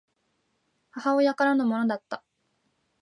母親からのものだった